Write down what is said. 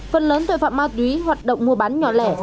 phần lớn tội phạm ma túy hoạt động mua bán nhỏ lẻ